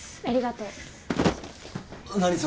ありがとう。何？